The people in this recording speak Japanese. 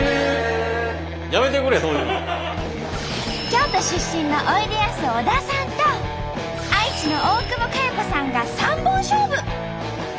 京都出身のおいでやす小田さんと愛知の大久保佳代子さんが三本勝負！